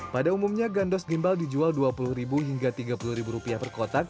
pada umumnya gandos gimbal dijual dua puluh hingga rp tiga puluh per kotak